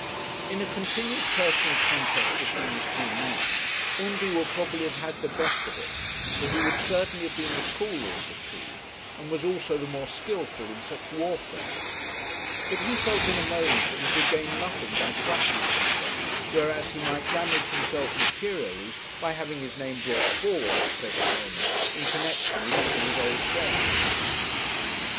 In a continued personal contest between the two men, Undy would probably have had the best of it, for he would certainly have been the cooler of the two, and was also the more skilful in such warfare; but he felt in a moment that he could gain nothing by thrashing Tudor, whereas he might damage himself materially by having his name brought forward at the present moment in connexion with that of his old friend.